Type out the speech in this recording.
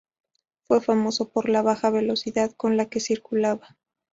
Fue famoso por la baja velocidad con la que circulaba.